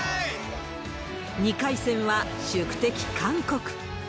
２回戦は宿敵、韓国。